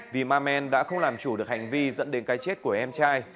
vì ma men đã không làm chủ được hành vi dẫn đến cái chết của em trai